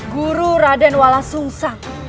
guru radenwala sungsang